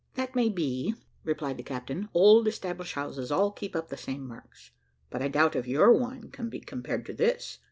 "That may be," replied the captain; "old established houses all keep up the same marks; but I doubt if your wine can be compared to this.